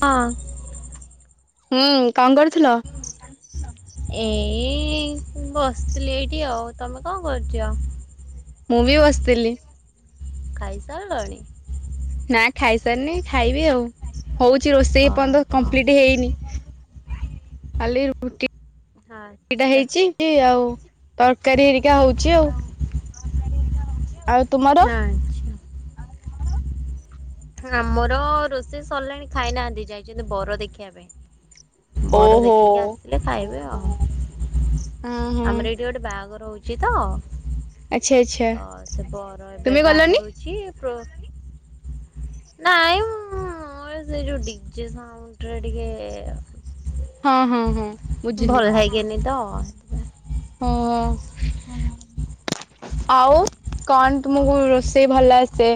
ହଁ। ହୁଁ। କଣ କରୁଥିଲ? ଏଇ ବସିଥିଲି ଏଇଠି ଆଉ। ତମେ କଣ କରୁଚ? ମୁଁ ବି ବସିଥିଲି। ଖାଇସାରିଲଣି? ନା ଖାଇସାରିନି ଖାଇବି ଆଉ। ହଉଚି ରୋଷେଇ ଏ ହଁ ପର୍ଯ୍ୟନ୍ତ ହଁ। କମ୍ପ୍ଲିଟ୍ ହେଇନି। ଖାଲି ରୁ ରୁଟିଟା ଆଚ୍ଛା ହେଇଚି ଆଉ। ତରକାରୀ ହେରିକା ହଉଚି ଆଉ। ଆଉ ତୁମର? ଆଚ୍ଛା। ଆମର ରୋଷେଇ ସରିଲାଣି ଖାଇନାହାନ୍ତି। ଯାଇଛନ୍ତି ବର ଦେଖିବା ପାଇଁ। ବର ଓହୋ। ଦେଖିକି ଆସିଲେ ଖାଇବେ ଆଉ। ହଁ ହଁ ଆମର ଏଇଠି ଗୋଟେ ବାହାଘର ହଉ ଚି ତ। ଆଚ୍ଛା ଆଚ୍ଛା ତ ସେ ବର ତୁମେ ଏବେ ଗଲନି ବାହାରୁଚି ପ୍ରୋ ନାଇଁ ମୁଁ ସେ ଯୋଉ ଡିଜେ ସାଉଣ୍ଡ ରେ ହଁ ହଁ ହଁ ଟିକେ ବୁଝିଲି। ଭଲ ଲାଗେନି ତ। ଅ ହ। ଆଉ କଣ ତୁମକୁ ରୋଷେଇ ଭଲ ଆସେ?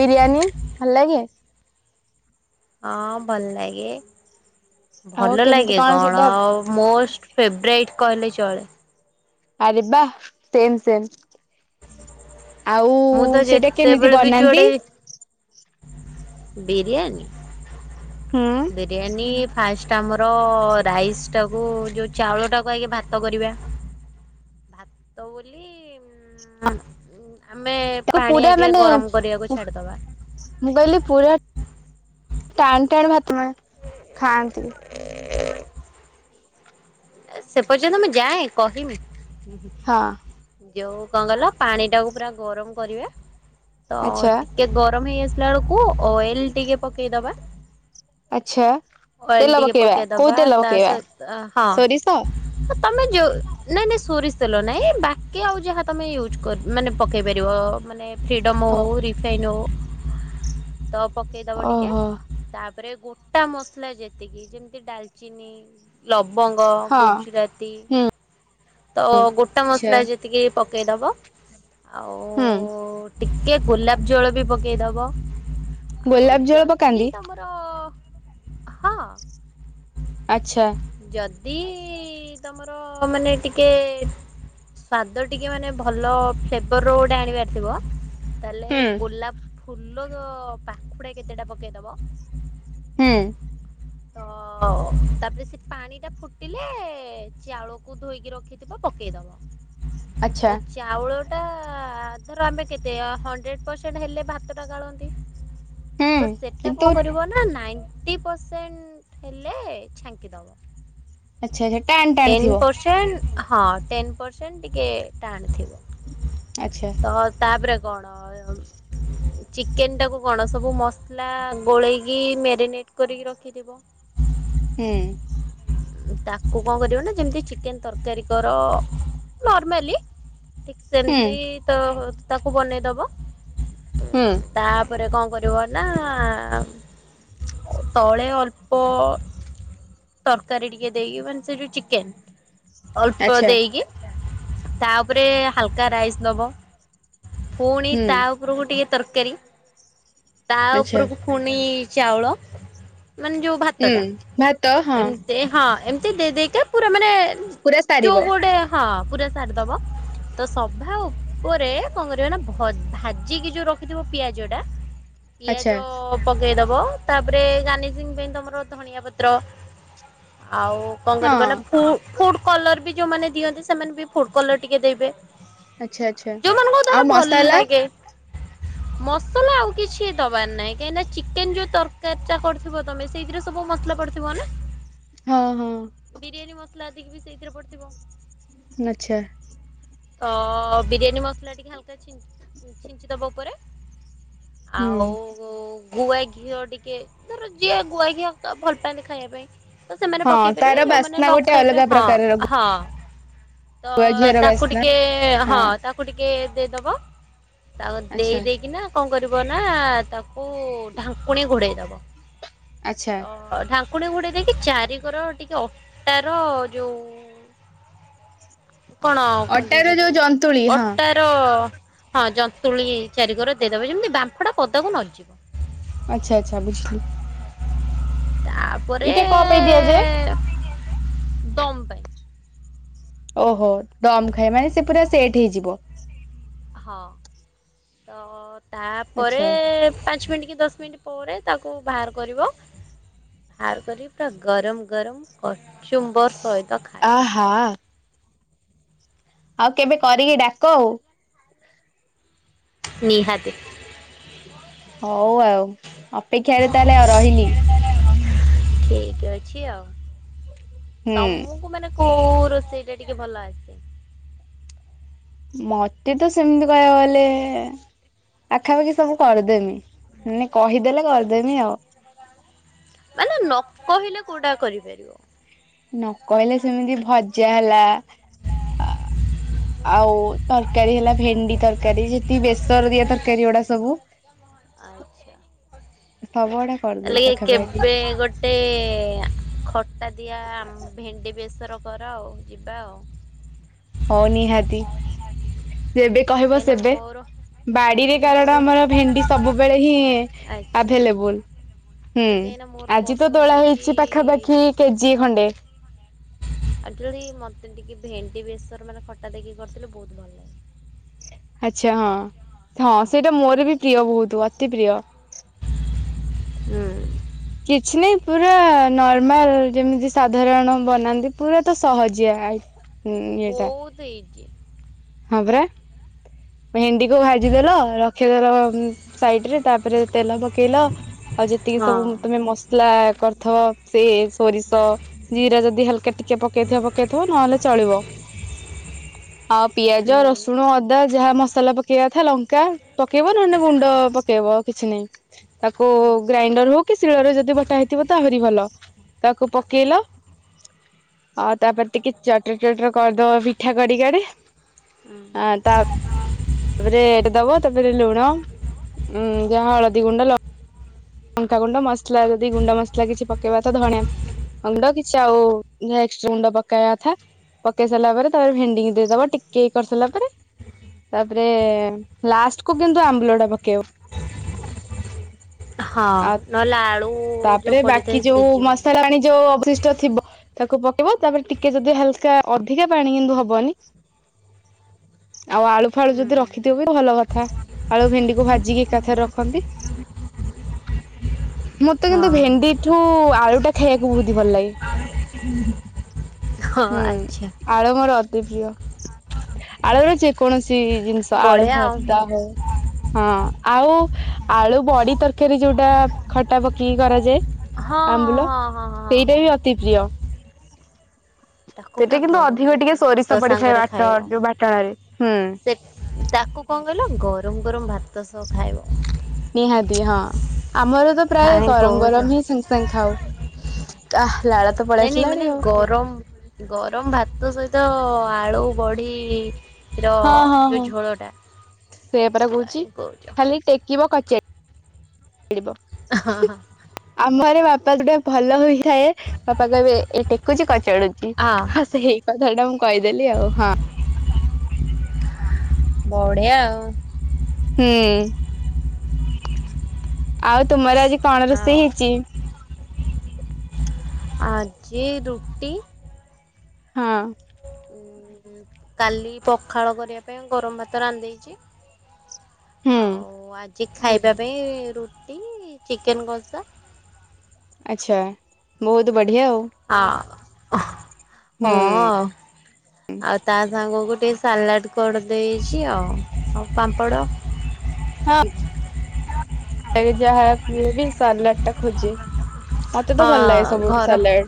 ବିରିୟାନୀ ଭଲ ଲାଗେ? ହଁ ଭଲ ଲାଗେ। ଆଉ ଭଲ କେମିତି ଲାଗେ କଣ ସେଇଟା ମୋଷ୍ଟ ଫେବରାଇଟ୍ କହିଲେ ଚଳେ। ଆରେ ବା ସେମ୍ ସେମ୍। ଆଉ ମୁଁ ତ ସେଇଟା ଯେତେବେଳେ କେମିତି ବି ଯୁଆଡେ ବନାନ୍ତି? ବିରିୟାନୀ। ହୁଁ। ବିରିୟାନୀ। ଫାଷ୍ଟ ଆମର ରାଇସ୍ ଟାକୁ ଯୋଉ ଚାଉଳ ଟାକୁ ଆଗ ଭାତ କରିବା। ଭାତ ବୋଲି ଉ ଆମେ ତାକୁ ପାଣି ପୁରା ଆଗେ ମାନେ ଗରମ କରିବାକୁ ଛାଡିଦବା। ମୁଁ କହିଲି ପୁରା ଟାଣ ଟାଣ ଭାତ ନାଁ ଖାଆନ୍ତି। ସେ ପର୍ଯ୍ୟନ୍ତ ମୁଁ ଯାଏ କହିନି। ହଁ। ଯୋଉ କଣ କଇଲ ପାଣି ଟାକୁ ପୁରା ଗରମ କରିବା ତ ଆଚ୍ଛା ଟି ଟିକେ ଗରମ ହେଇ ଆସିଲା ବେଳକୁ ଅଏଲ ଟିକେ ପକେଇଦବା। ଆଛା। ଓଏଲ ଟିକେ ପକେଇଦବା ତା ସହି ତ ହଁ। ସୋରିଷ? ତମେ ଯୋଉ ନାଇଁ ନାଇଁ ସୋରିସ ତେଲ ନାଇଁ ବାକି ଆଉ ଯାହା ତମେ ୟୁଜ କର। ମାନେ ପକେଇ ପାରିବ ମାନେ। ଫ୍ରିଡମ ହଉ ରିଫାଇନ ହଉ ତ ପକେଇଦବ ଟିକେ। ଓହୋ ତାପରେ ଗୋଟା ମସଲା ଯେତିକି ଯେମିତି ଡାଲଚିନି। ଲବଙ୍ଗ, ହଁ। ଗୁଜୁରାତି ହୁଁ ତ ଗୋଟା ଆଚ୍ଛା ମସଲା ଯେ ତିକି ପକେଇଦବ ଆଉ। ହୁଁ ଟିକେ ଗୋଲାପ ଜଳ ବି ପକେଇଦବ। ଗୋଲାପ ଜଳ ପକାନ୍ତି? ତ। ହଁ। ଆଛା। ଯଦି ତମର ମାନେ ଟିକେ। ସ୍ଵାଦ ଟିକେ ମାନେ ଭଲ ଫ୍ଲେବର୍ ର ଗୋଟେ ଆଣିବାର ଥିବ। ହୁଁ ତାହେଲେ ଗୋଲାପ ଫୁଲ ପାଖୁଡା କେତେଟା ପକେଇଦବ। ହୁଁ। ତ ତାପରେ ସେ ପାଣି ଟା ଫୁଟିଲେ ଚାଉଳକୁ ଧୋଇକି ରଖିଥିବା ପକେଇ ଦବ ଆଚ୍ଛା ତ ଚାଉଳ ଟା ଧର ଆମେ କେତେ ହଣ୍ଡ୍ରେଡ ପରସେଣ୍ଟ ହେଲେ ଭାତଟା ଗାଳନ୍ତି। ହୁଁ ତ ସେଟା କିନ୍ତୁ କଣ କରିବ ନା ନାଇ ଟି ପରସେଣ୍ଟ ହେଲେ ଛାଙ୍କିଦବ। ଆଚ୍ଛା ଆଚ୍ଛା ଟାଣ ଟାଣ ଟେନ୍ ଥିବ। ହଁ ଟେନ୍ ପର୍ସେଣ୍ଟ ଟିକେ ଟାଣ ଆଚ୍ଛା ଥିବ ତାପ [inaudible] ଚିକେନ ଟାକୁୁ କଣ ସବୁ ମସଲା ଗୋଳେଇକି ମେରି କରିକି ରଖିଥିବ। ହୁଁ। ତାକୁ କଣ କରିବ ନା ଯେମିତି ଚିକେନ ତରକାରୀ କର ନର୍ମାଲିି। ହୁଁ ସେମିତି ତ ତାକୁ ବନେଇଦବ। ହୁଁ ତାପରେ କଣ କରିବ ନା। ତଳେ ଅଳ୍ପ। ତରକାରୀ ଟିକେ ଦେଇକି ମାନେ ସେ ଯୋଉ ଚିକେନ। ଅଳ୍ପ ଆଚ୍ଛା ଦେଇକି ତା ଉପରେ ହାଲକା ରାଇସ ଦବ। ପୁଣି ହୁଁ ତା ଉପରକୁ ଟିକେ ତରକାରୀ ତା ଆଚ୍ଛା ଉପରକୁ ପୁଣି ଚାଉଳ ମାନେ ଯୋଉ ହୁଁ ଭାତଟା ଭାତ ହଁ ଏମ ଦେ ହଁ ଏମିତି ଦେଇ ଦେଇକା ପୁରା ମାନେ ପୁରା ଯୋଉ ସାରିବ ଗୋଟେ ହଁ ପୁରା ସାରି ଦବ ତ ସଭା ଉପରେ କଣ କରିବା ନା ଭାଜିିକି ଯୋଉ ର ପିଆଜ ଟା ଆଚ୍ଛା ପିଆଜ ପକେଇଦବ ତାପରେ ଗାନସିଂ ପାଇଁ ତମର ଧଣିଆ ପତ୍ର ଆଉ କଣ ହଁ କରିବ ନା ଫୁଡ କଲର ବି ଯୋଉମାନେ ଦିଅନ୍ତି ସେମାନେ ବି ଫୁଡ କଲର ଟିକେ ଦେବେ ଆଚ୍ଛା ଆଚ୍ଛା ଯୋଉମାନଙ୍କୁ ଆଉ ଧର ଭଲ ମସଲା ଲାଗେ ମସଲା ଆଉ କିଛି ଦବାର ନାହିଁ କାହିଁକିନା ଚିକେନ ଯୋଉ ତରକାରୀ କେଚା କରିଥିବ ତମେ ସେଇଥିରେ ସବୁ ମସଲା ପଡିଥିବ ନା ହଁ ହଁ ବିରିୟାନୀ ମସଲା ଆତିକି ବି ସେଇଥିରେ ପଡିଥିବ ଆଛା ତ ବିରିୟାନୀ ମସଲା ଟିକେ ହାଲକା ଛି ଛିଞ୍ଚି ଦବା ଉପରେ ହୁଁ ଆଉ ଗୁଆ ଘିଅ ଟିକେ କି ଧର ଯିଏ ଗୁଆଖିଆ ତ ଭଲ ପାଆନ୍ତି ଖାଇବା ପାଇଁ ତ ସେମାନେ ହଁ ପକେଇ ପାରିବେ ତାର ଯୋଉମାନେ ବାସ୍ନା ଗୋଟେ ନଖାଇବେ ଅଲଗା ହଁ ପ୍ରକାରର ହଁ ତ ଗୁଆ ଘିଅର ତାକୁ ବାସ୍ନା ଟିକେ ହଁ ତାକୁ ଟିକେ ଦେଇଦବ ତାକୁ ଦେଇ ଆଚ୍ଛା ଦେଇେଇକି ନା କଣ କରିବ ନା ତାକୁ ଢାଙ୍କୁଣୀ ଘୋଡେଇ ଦବ ଆଚ୍ଛା ତ ଢାଙ୍କୁଣୀ ଘୋଡେଇ ଦେଇକି ଚାରିିକର ଟିକେ ଅଟାର ଯୋଉ କଣ ଆଉ କୁହନ୍ତି ଅଟାର ଏଇଟା ଜନ୍ତୁଳି ଯୋଉ ହଁ ଅଟା ହଁ ଜନ୍ତୁଳି ଚାରିକରେ ଦେଇଦବା ଯେମିତି ବାମ୍ଫ ଟା ପଦାକୁ ନଯିବ ଆଚ୍ଛା ଆଚ୍ଛା ବୁଝିଲି ଏଇଟା କଣ ପାଇଁ ଦିଆଯାଏ ପରେ ଦମ ପାଇଁ ଓହୋ ଦମ ଖାଏ ମାନେ ସେ ପୁରା ସେଟ୍ ହେଇଯିବ। ହଁ ତ ତାପରେ ଆଚ୍ଛା ପାଞ୍ଚ ମିନିଟ୍ କି ଦଶ ମିନିଟ୍ ପରେ ତାକୁ ବାହାର କରିବ ବାହାର କର ପୁରା ଗରମ ଗରମ କଚୁମ୍ବର ସହିତ ଖାଇ ହା। ଆଉ କେବେ କରିକି ଡାକ ଆଉ। ନିହାତି। ହଉ ଆଉ ଅପେକ୍ଷାରେ ତାହେଲେ ଆଉ ରହିଲି। ଠିକ୍ ଅଛି ଆଉ ହୁଁ ତମୁକୁ ମାନେ କୋଉ ରୋଷେଇ ଟା ଟିକେ ଭଲ ଆସେ। ମତେ ତ ସେମିତି କଇଆକୁ ଗଲେ-। ପାଖାପାଖି ସବୁ କରିଦେମି ନି କହିଦେଲେ କରିଦେମି ଆଛା ଆଉ। ମାନେ ନ କହିଲେ କୋଉଟା କରିପାରିବ। ନ କହିଲେ ସେମିତି ଭଜା ହେଲା ଆ-। ଆଉ ତରକାରୀ ହେଲା ଭେଣ୍ଡି ତରକାରୀ ଯେତି ବେସର ଦିଆ ତରକାରୀ ଗୁଡା ସବୁ-। [unintelligible] ତାଲେ ଏ ପାଖାପାଖି କେବେ ଗୋଟେ-। ଖଟା ଦିଆ ଆମ ଭେଣ୍ଡି ବେସର କର ଆଉ ଯିବା ଆଉ। ହଉ ନିହାତି ଯେବେ କହିବ କାହିଁକିନା ସେବେ। ମୋର ବାଡିରେ କାହିଁକିନା କାରଣ ମୋର ଆମର ଭେଣ୍ଡି ସବୁବେଳେ ହିଁ ଆଚ୍ଛା। ଆଭେଲେବୁଲ। ହୁଁ କାହିଁକିନା ମୋର ଆଜି ତ ପସନ୍ଦ ତୋଳା ହେଉଛି ହେଇଛି ପାଖାପାଖି କେଜିଏ ଖଣ୍ଡେ। ଏକ୍ଟୁଆଲି ମତେ ଟିକେ ଭେଣ୍ଡି ବେଶର ମାନେ ଖଟା ଦେଇକି କରିଥିଲେ ବହୁତ ଭଲ ଲାଗେ। ଆଚ୍ଛା ହଁ ହଁ ସେଇଟା ମୋର ବି ପ୍ରିୟ ବହୁତୁ ଅତି ପ୍ରିୟ। ହୁଁ କିଛି ନାହିଁ ପୁରା ନର୍ମାଲ ଯେମିତି ସାଧାରଣ ବନାନ୍ତି ପୁରା ତ ସହଜିଆ-। ଇଏଟା ବହୁତ ଇଜି। ହଁ ପରା। ଭେଣ୍ଡିକୁ ଭାଜିଦେଲ ରଖିଦେଲ ଉଁ ସାଇଡରେ ତାପରେ ତେଲ ପକେଇଲ ଆଉ ଯେତିକି ସବୁ ହଁ। ଉଁ ତମେ ମସଲା କରିଥବ ସେ ସୋରିଷ ଜିରା ଯଦି ହାଲକା ଟିକେ ପକେଇଥିବ ପକେଇଥିବ ନହେଲେ ଚଳିବ। ଆଉ ପିଆଜ, ହୁଁ ରସୁଣ, ଅଦା ଯାହା ମସଲା ପକେଇଆ କଥା ଲଙ୍କା ପକେଇବ ନହନେ ଗୁଣ୍ଡ ପକେଇବ କିଛି ନାଇଁ ତାକୁ ଅଁ ଗ୍ରାଇଣ୍ଡର ହୋଉ କି ଶିଳରେ ଯଦି ବଟା ହେଇଥିବ ତ ଆହୁରି ଭଲ ତାକୁ ପକେଇଲ ଆଉ ତାପରେ ଟିକେ ଚଟର ଚଟର କରିଦବ ପିଠା କଡିକାରେ। ଅଁ। ହଁ ତା ଉପରେ ଏଟ୍ ଦବ ତାପରେ ଲୁଣ ଉଁ ଯହା ହଳଦୀ ଗୁଣ୍ଡ ଲ ଲଙ୍କାଗୁଣ୍ଡ ମସଲା ଯଦି ଗୁଣ୍ଡ ମସଲା କିଛି ପକେଇବା କଥା ଧଣିଆ ଗୁଣ୍ଡ କିଛି ଆଉ ନେକ୍ସଟ୍ ଗୁଣ୍ଡ ପକେଇଆ କଥା। ପକେଇ ସାରିଲା ପରେ ତାପରେ ଭେଣ୍ଡିିକି ଦେଇଦବ ଟିକେ ଇଏ କରି ସାରିଲା ପରେ। ତାପରେ ଲାଷ୍ଟକୁ କିନ୍ତୁ ଆମ୍ବୁଲଟା ପକେଇବ। ହଁ ଆଉ ନହେଲେ ଆଳୁ ଯୋଉ ତାପରେ ବାକି ପଡିଥାଏ ଯୋଉ ସିଝିବନି। ମସଲା ପାଣି ଯୋଉ ଅବଶିଷ୍ ଟ ଥିବ ତାକୁ ପକେଇବ ତାପରେ ଟିକେ ଯଦି ହାଲକା ଅଧିକା ପାଣି କିନ୍ତୁ ହବନି। ଆଉ ଆଳୁ ଫାଳୁ ଯଦି ରଖି ଥିବୁ ଭଲ କଥା ଆଳୁ ଭେଣ୍ଡିକୁ ଭାଜିକି ଏକାଥରେ ରଖନ୍ତି। ମୁଁ ମତେ ହଁ କିନ୍ତୁ ଭେଣ୍ଡିଠୁ ଆଳୁଟା ଖାଇବାକୁ ବୋହୁତ ହି ଭଲ ଲାଗେ। [unintelligible] ହଁ ହୁଁ ଆଚ୍ଛା। ଆଳୁ ମୋର ଅତି ପ୍ରିୟ ଆଳୁର ଯେକୌଣସି ଜିନଷ ଆଳୁ ବଢିଆ ଆଉ। ଭର୍ତ୍ତା ହୋଉ ହଁ ଆଉ ଆଳୁ ବଡି ତରକାରୀ ଯୋଉଟା ଖଟା ପକେଇକି କରାଯାଏ ହଁ ଆମ୍ବୁଲ ହଁ ହଁ ହଁ ସେଇଟା ହଁ ବି ଅତି ପ୍ରିୟ। ତାକୁ ସେଟା ପୁରା କିନ୍ତୁ ଗରମ ଅଧିକ ଗରମ ଟିକେ ଭାତ ସୋରିଷ ପଡିଥାଏ ସାଙ୍ଗରେ ବାଟ ଖାଇବ। ଯୋଉ ବାଟଣରେ ହୁଁ। ସେ ତାକୁ କଣ କହିଲ ଗରମ ଗରମ ଭାତ ସହ ଖାଇବ। ନିହାତି ହଁ ଆମର ତ ପ୍ରାୟେ କାହିଁ ଗରମ କହୁଛ? ଗରମ ହିଁ ସାଙ୍ଗେ ସାଙ୍ଗେ ଖାଉ। ତା ଲାଳ ତ ପଳେଇ ନାଇଁ ନାଇଁ ଆସିଲାଣି ମାନେ ଆଉ। ଗରମ ଗରମ ଭାତ ସହିତ ଆଳୁ ବଢି ର ଯୋଉ ଝୋଳଟା ସେୟା ପରା କୋହୁଚି କାହିଁ କହୁଛ ଖାଲି ଟେକିବ କଚା-ଡିବ ହଁ ହଁ। ଆମର ବାପା ଗୋଟେ ଭଲ ହୋଇଥାଏ ବାପା କହିବେ ଏ ଟେକୁଚି କଚାଡୁ ଉଁ ଆ ହଁ ସେଇ କଥାଟା ମୁଁ କହିଦେଲି ଆଉ ହଁ। ବଢିଆ ଆଉ। ହୁଁ। ଆଉ ତୁମର ଆଜି କଣ ରୋଷେଇ ଆଉ ହେଇଚି? ଆଜି ରୁଟି ହଁ। ଉହୁଁ କାଲି ପଖାଳ କରିବା ପାଇଁ ଗରମ ଭାତ ରାନ୍ଧିଦେଇଚି ହୁଁ ଆଉ ଆଜି ଖାଇବା ପାଇଁ ରୁଟି, ଚିକେନ କଷା। ଆଛା ବୋହୁତ ବଢିଆ ଆଉ। ଆ ଅଃ ହୁଁ। ହଁ ଆଉ। ଆଉ ତା ସାଙ୍ଗକୁ ଟିକେ ସାଲାଡ କରି ଦେଇଚି ଆଉ ପାମ୍ପଡ଼। ହଁ ଆବି ଯାହା ହେଲେ ବି ସାଲାଡଟା ଖୋଜେ। ମତେ ହଁ ତ ଭଲ ଲାଗେ ସବୁଠୁ ଘର, ସାଲାଡ।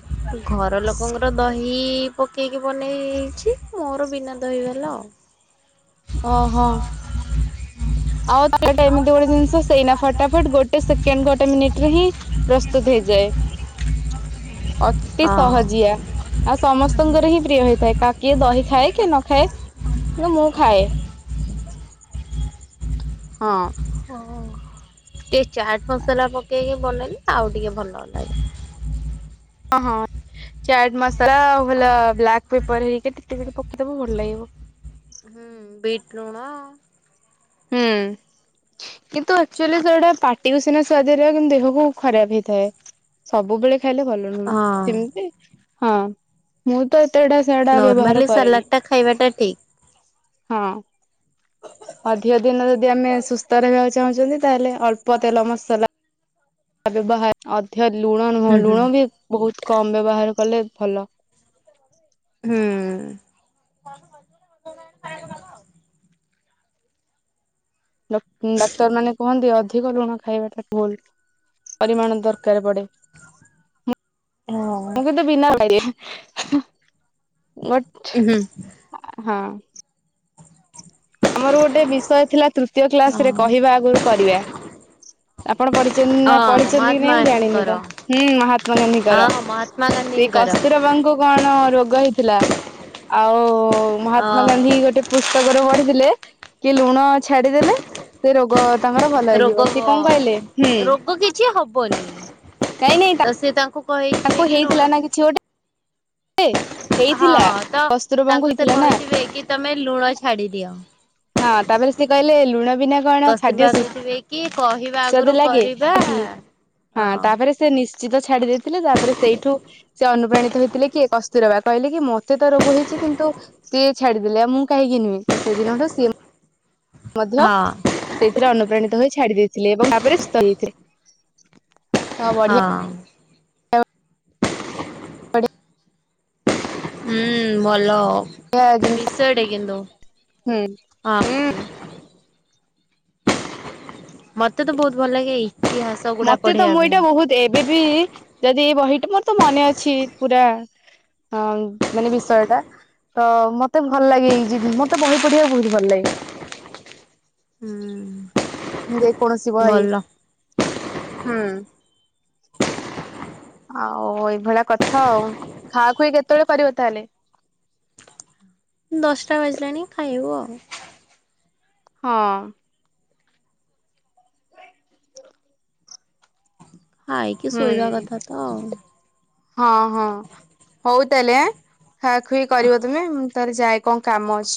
ଘର ଲୋକଙ୍କର ଦହି ପକେଇକି ବନେଇଛି, ମୋର ବିନା ଦହି ବାଲା ଆଉ। ଓହୋ। ଆଉ ତା ହେଲେ ଏମିତି ଗୋଟେ ଜିନିଷ ସେଇନା ଫଟାଫଟ ଗୋଟେ ସେକେଣ୍ଡ ଗୋଟେ ମିନିଟ ରେ ହିଁ ପ୍ରସ୍ତୁତ ହେଇଯାଏ, ଅତି ହଁ। ସହଜିଆ। ଆଉ ସମସ୍ତଙ୍କର ହିଁ ପ୍ରିୟ ହେଇଥାଏ, କିଏ ଦହି ଖାଏ, କି ନ ଖାଏ, କିନ୍ତୁ ମୁଁ ଖାଏ। ହଁ। ହ ଟିକେ ଚାଟ୍ ମସଲା ପକେଇକି ବନେଇଲେ, ଆଉ ଟିକେ ଭଲ ଲାଗିବ। ଓ ହଁ ଚାଟ ମସଲା, ବ୍ଲାକପେପର ହେଇ ଟିକେ ପକେଇଦବ ଭଲ ଲାଗିବ। ହୁଁ ବିଟ୍ ଲୁଣ ହୁଁ। କିନ୍ତୁ ଆଚୁଆଲି ସେଟା ପାଟି କୁ ସିନା ସୁଆଦିଆ ଲାଗେ, କିନ୍ତୁ ଦେହକୁ ଖରାପ ହେଇଥାଏ। ସବୁବେଳେ ଖାଇଲେ ଭଲ ନୁହ, ହଁ ସେମିତି ହଁ, ମୁଁ ତ ଏତେଡା ନର୍ମାଲି ସାଲାଡ଼ ଟା ଖାଇବାଟା ଠିକ୍। ହଁ। ଅଧିକ ଦିନ ଯଦି ଆମେ ସୁସ୍ଥ ରହିବାକୁ ଚାହୁଁଛନ୍ତି, ତାହେଲେ ଅଳ୍ପ ତେଲ ମସଲା ବ୍ୟବହାର ଅଧିକ ଲୁଣ ନୁହଁ, ହୁଁ ହୁଁ। ଲୁଣ ବି ବହୁତ କମ ବ୍ୟବହାର କଲେ ଭଲ। ହୁଁ। ଡାକ୍ତର ମାନେ କୁହନ୍ତି ଅଧିକ ଲୁଣ ଖାଇବାଟା ଭୁଲ ପରିମାଣ ଦରକାର ପଡେ। ହଁ। ମୁଁ କିନ୍ତୁ ବିନା [inaudible] ଉ ହୁଁ। ହଁ। ଆମର ଗୋଟେ ବିଷୟ ଥିଲା ତୃତୀୟ କ୍ଲାସ ରେ ହଁ। କହିବା ଆଗରୁ କରିବା। ଆପଣ ପଢି ହଁ ପଢିଛନ୍ତି କି ନାଇଁ ମହାତ୍ମା ମୁଁ ଜାଣିନି, ଗାନ୍ଧୀଙ୍କର ତ ହୁଁ ମହାତ୍ମା ହଁ ଗାନ୍ଧୀଙ୍କର ମହାତ୍ମା ସେଇ ଗାନ୍ଧୀଙ୍କର କସ୍ତୁରବା ଙ୍କୁ କଣ ରୋଗ ହେଇଥିଲା, ଆଉ ଅ ମହାତ୍ମା କହିଥିଲେ, ଲୁଣ ଛାଡିଦଲେ ସେ ରୋଗ ତାଙ୍କର ଭଲ ରୋଗ ହେଇଯିବ, ସିଏ କଣ କହିଲେ ହୁଁ। ରୋଗ କିଛି ହବନି। ନାଇଁ ନାଇଁ [inaudible] ତ ସେ ତାଙ୍କୁ କହିଥିଲେ ତାଙ୍କୁ କି ହେଇଥିଲା ଲୁଣ ନା କିଛି ଗୋଟେ ହଁ, ହେଇଥିଲା ତ କସ୍ତୁରବାଙ୍କୁ ତାଙ୍କୁ ସେ ହେଇଥିଲା ନା କହିଥିବେ କି ତମେ ଲୁଣ ଛାଡି ଦିଅ। ହଁ ତାପରେ ସେ କହିଲେ ଲୁଣ ବିନା କଣ ଖାଦ୍ୟ କସ୍ତୁରବାଘକୁଥିବେ କି କହିବା ସୁସ୍ୱାଦୁ ଆଗରୁ ଲାଗେ କରିବା କି [inaudible] ହଁ। ତାପରେ ସେ ନିଶ୍ଚିତ ଛାଡି ଦେଇେଇଥିଲେ ତାପରେ ସେଇଠୁ ସେ ଅନୁପ୍ରାଣିତ ହେଇଥିଲେ କି କସ୍ତୁରୀବା କହିଲେ କି ମତେ ତ ରୋଗ ହେଇଛି କିନ୍ତୁ ସିଏ ଛାଡିଦେଲେ ଆଉ ମୁଁ କାହିଁକି ନହେଁ ତ ସେଦିନଠୁ ସିଏ ମଧ୍ୟ ହଁ ସେଇଥିରେ ଅନୁପ୍ରାଣିତ ହୋଇ ଛାଡି ଦେଇେଇଥିଲେ ଏବଂ ତାପରେ ସୁସ୍ଥ ହେଇଯାଥିଲେ। ହଁ। ହୁଁ, ଭଲ ଜିନିଷ ବିଷୟ ଟେ କିନ୍ତୁ, ହୁଁ ହଁ। ହୁଁ ମତେ ତ ବହୁତ ଭଲ ଲାଗେ ଏ ଇତିହାସ। ଗୁଡା ମତେ ତ ପଢେଇବା ମୁଁ ପାଇଁ ଏଇଟା ବହୁତ ଏବେ ବି ଯଦି ଏଇ ବହିଟା ମୋର ତ ମନେ ଅଛି ପୁରା ହଁ ମାନେ ବିଷୟ ଟା। ତ ମତେ ଭଲ ଲାଗେ ଏଇ ମତେ ବହି ପଢିବାକୁ ବହୁତ ଭଲ ଲାଗେ। ହୁଁ। ଯେକୌଣସି ବହି ଭଲ ହୁଁ। ଆଉ ଏଇଭଳିଆ କଥା ଆଉ ଖାଆ ଖୁଇ କେତେବେଳେ ପାରିବ ତାହେଲେ? ଦଶଟା ବାଜିଲାଣି ଖାଇବୁ ଆଉ। ହଁ। ହାଇକି ହୁଁ ଶୋଇବା କଥା ତ ଆଉ। ହଁ ହଁ। ହଉ ତାହେଲେ ଆଁ ଖାଆଖୁଇ କରିବ ତମେ ମୁଁ ତାହେଲେ ଯାଏଁ କଣ କାମ ଅଛି।